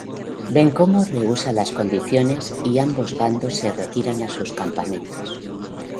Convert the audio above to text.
Bencomo rehúsa las condiciones y ambos bandos se retiran a sus campamentos.